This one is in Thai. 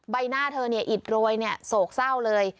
ใบหน้าเธอเนี่ยอิดโรยเนี่ยโศกเศร้าเลย